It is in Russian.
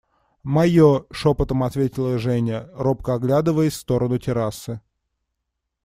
– Мое, – шепотом ответила Женя, робко оглядываясь в сторону террасы.